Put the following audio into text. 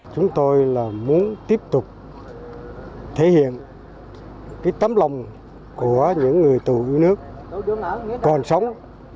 chúng tôi là muốn tiếp tục thể hiện tấm lòng của những người tù ưu nước còn sống